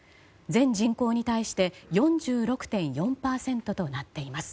全人口に対して４６．４％となっています。